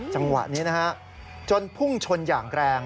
จังหวะนี้นะฮะจนพุ่งชนอย่างแรง